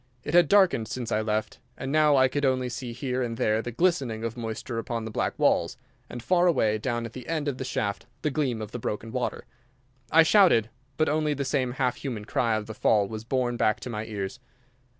It had darkened since I left, and now I could only see here and there the glistening of moisture upon the black walls, and far away down at the end of the shaft the gleam of the broken water. I shouted; but only the same half human cry of the fall was borne back to my ears.